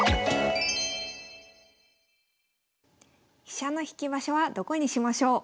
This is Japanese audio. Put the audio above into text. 飛車の引き場所はどこにしましょう？